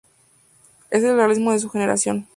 Es el realismo de su generación.